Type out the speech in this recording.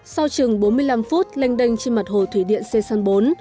sau chừng bốn mươi năm phút lenh đênh trên mặt hồ thủy điện xê săn bốn